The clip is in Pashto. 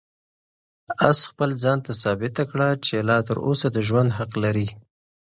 آس خپل ځان ته ثابته کړه چې لا تر اوسه د ژوند حق لري.